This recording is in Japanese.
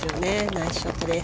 ナイスショットです。